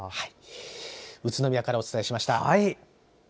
宇都宮からお伝えしました。